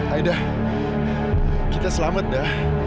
aida kita selamat da